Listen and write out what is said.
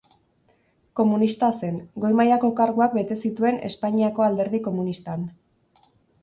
Komunista zen; goi mailako karguak bete zituen Espainiako Alderdi Komunistan.